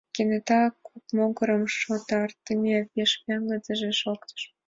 Кенета куп могырым шотыртатыме да пеҥыжме шоктыш.